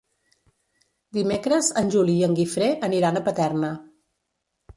Dimecres en Juli i en Guifré aniran a Paterna.